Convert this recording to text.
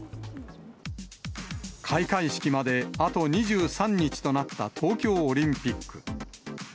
開会式まであと２３日となった東京オリンピック。